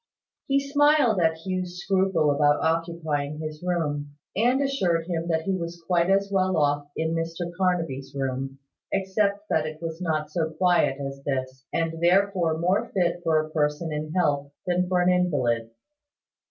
He smiled at Hugh's scruple about occupying his room, and assured him that he was quite as well off in Mr Carnaby's room, except that it was not so quiet as this, and therefore more fit for a person in health than for an invalid.